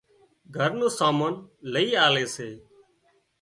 گھر نُون سامان لئي آلي سي